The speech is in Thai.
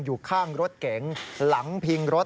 อยู่ข้างรถเก๋งหลังพิงรถ